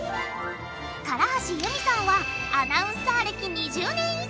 唐橋ユミさんはアナウンサー歴２０年以上！